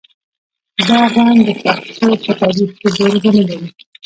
دا غونډ د پښتو په تاریخ کې بېلګه نلري.